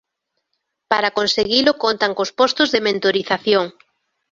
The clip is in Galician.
Para conseguilo contan cos postos de mentorización.